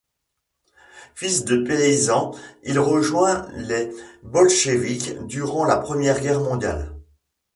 Fils de paysan, il rejoint les bolcheviks durant la Première Guerre mondiale.